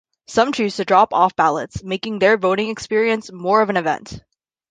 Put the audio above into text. Some choose to drop off ballots, making their voting experience more of an event.